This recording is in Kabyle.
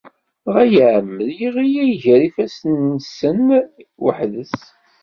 Dɣa iεemmed yeɣli gar ifassen-nsen weḥd-s.